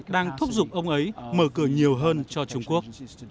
đang thúc giục ông ấy mở cửa nhiều hơn cho trung quốc